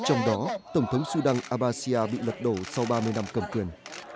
trong đó tổng thống sudan abasia bị lật đổ sau ba mươi năm cầm quyền